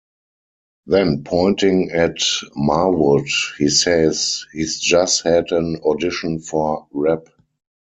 Then pointing at Marwood he says "He's just had an audition for rep".